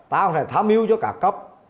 ta phải tham hiu cho cả cặp